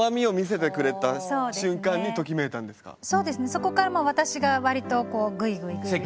そこからまあ私が割とこうグイグイグイグイ。